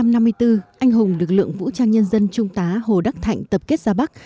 năm một nghìn chín trăm năm mươi bốn anh hùng được lượng vũ trang nhân dân trung tá hồ đắc thạnh tập kết ra bắc